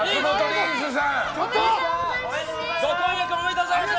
ご婚約おめでとうございます！